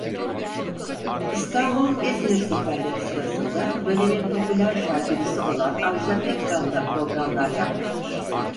İstanbul-İzmir seferleri sırasında dönemin popüler şarkıcısı olan Ajda Pekkan da programlar yapmıştır.